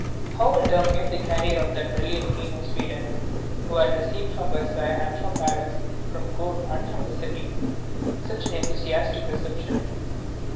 How will terminate the career of that brilliant King of Sweden, who had received from Versailles and from Paris, from the court and from the city, such an enthusiastic reception?